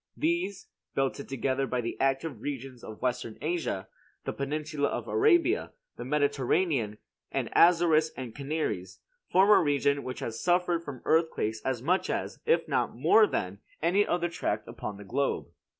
These, belted together by the active regions of Western Asia, the peninsula of Arabia, the Mediterranean, and Azores and Canaries, form a region which has suffered from earthquakes as much as, if not more than, any other tract upon the globe.